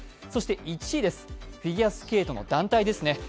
そして１位です、フィギュアスケートの団体ですね。